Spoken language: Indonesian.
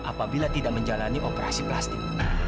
apabila tidak menjalani operasi plastik